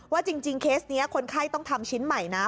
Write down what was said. จริงเคสนี้คนไข้ต้องทำชิ้นใหม่นะ